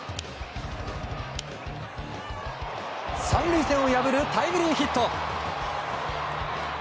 ３塁線を破るタイムリーヒット。